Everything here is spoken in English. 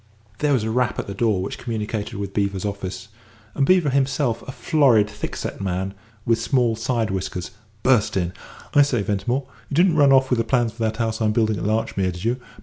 There was a rap at the door which communicated with Beevor's office, and Beevor himself, a florid, thick set man, with small side whiskers, burst in. "I say, Ventimore, you didn't run off with the plans for that house I'm building at Larchmere, did you?